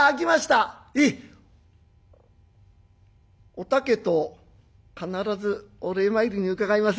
お竹と必ずお礼参りに伺います。